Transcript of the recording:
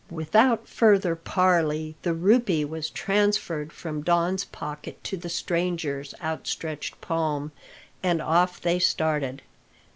Without further parley the rupee was transferred from Don's pocket to the stranger's outstretched palm, and off they started.